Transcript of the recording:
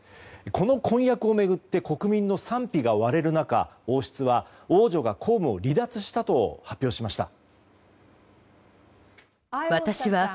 この婚約を巡って国民の賛否が割れる中王室は王女が公務を離脱したと発表しました。